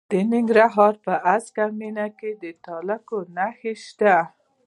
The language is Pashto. د ننګرهار په هسکه مینه کې د تالک نښې شته.